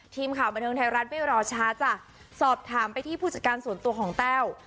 ทีมข่าวบันเทิงไทยรัฐไม่รอช้าจ้ะสอบถามไปที่ผู้จัดการส่วนตัวของแต้ว